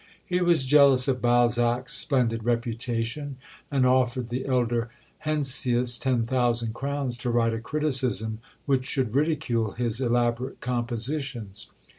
He was jealous of Balzac's splendid reputation; and offered the elder Heinsius ten thousand crowns to write a criticism which should ridicule his elaborate compositions.